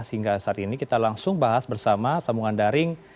sehingga saat ini kita langsung bahas bersama sambungan daring